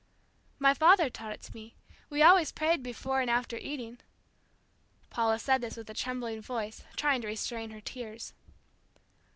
"My father taught it to me. We always prayed before and after eating." Paula said this with a trembling voice, trying to restrain her tears.